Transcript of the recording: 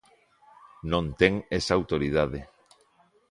Non ten esa autoridade.